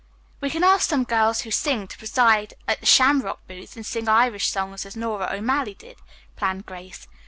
"We can ask some girl who sings to preside at the Shamrock booth and sing Irish songs as Nora O'Malley did," planned Grace.